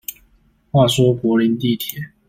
話說柏林地鐵